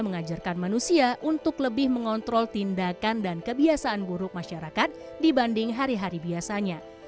mengajarkan manusia untuk lebih mengontrol tindakan dan kebiasaan buruk masyarakat dibanding hari hari biasanya